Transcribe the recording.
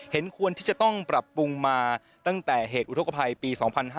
เห็นควรที่จะต้องปรับปรุงมาตั้งแต่เหตุอุทธกภัยปี๒๕๕๙